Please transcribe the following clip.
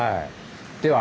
では